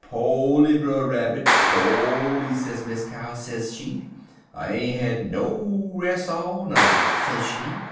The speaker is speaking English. "Po'ly, Brer Rabbit, poly,' sez Miss Cow, sez she. 'I ain't had no res' all night,' sez she.